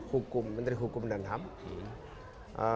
supaya tidak pasal pasalnya